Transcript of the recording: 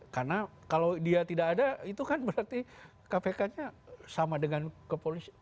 karena kalau dia tidak ada itu kan berarti kpknya sama dengan kepolisian